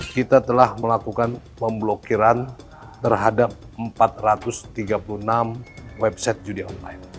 kita telah melakukan pemblokiran terhadap empat ratus tiga puluh enam website judi online